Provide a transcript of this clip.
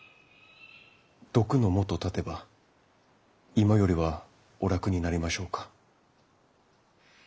毒のもと断てば今よりはお楽になりましょうか。